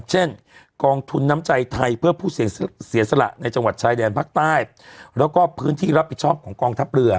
เช่นกองทุนน้ำใจไทยเพื่อผู้เสียสละในจังหวัดชายแดนภาคใต้แล้วก็พื้นที่รับผิดชอบของกองทัพเรือ